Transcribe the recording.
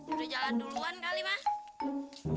udah jalan duluan kali mas